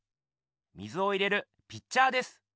水を入れるピッチャーです。